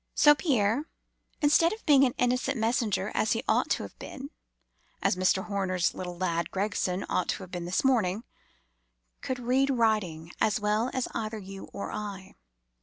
So Pierre, instead of being an innocent messenger, as he ought to have been—(as Mr. Horner's little lad Gregson ought to have been this morning)—could read writing as well as either you or I.